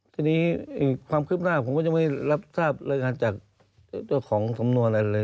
ทีนี้ความคืบหน้าผมก็ยังไม่รับทราบรายงานจากเจ้าของสำนวนอะไรเลย